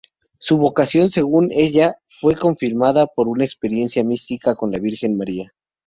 Su vocación, según ella, fue confirmada por una experiencia mística con la Virgen María.